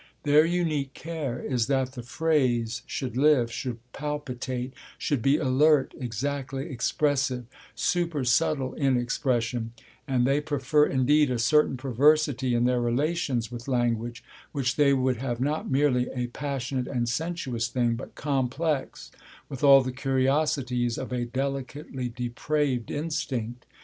Their unique care is that the phrase should live, should palpitate, should be alert, exactly expressive, super subtle in expression; and they prefer indeed a certain perversity in their relations with language, which they would have not merely a passionate and sensuous thing, but complex with all the curiosities of a delicately depraved instinct.